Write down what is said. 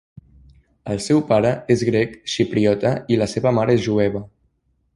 El seu pare és grec xipriota i la seva mare és jueva.